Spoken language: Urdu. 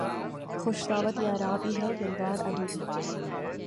خوش دعوت یاراں بھی ہے یلغار عدو بھی